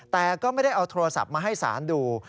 แต่ก็ไม่ได้เอาโทรศัพท์มาให้ศาลดู